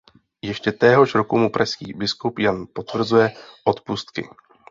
Ještě téhož roku mu pražský biskup Jan potvrzuje odpustky.